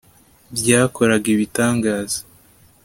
Byakoraga ibitangaza